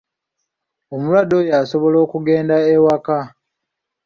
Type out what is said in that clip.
Omulwadde oyo asobola okugenda ewaka.